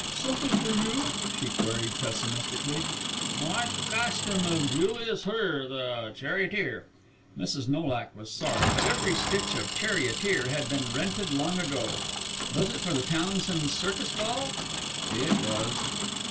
"Something for you?" she queried pessimistically. "Want costume of Julius Hur, the charioteer." Mrs. Nolak was sorry, but every stitch of charioteer had been rented long ago. Was it for the Townsends' circus ball? It was.